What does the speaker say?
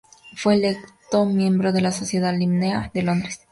Fue electo miembro de la Sociedad linneana de Londres